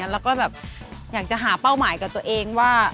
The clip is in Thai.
แล้วก็แบบอยากจะหาเป้าหมายกับตัวเองว่า